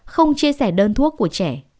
không chia sẻ đơn thuốc của trẻ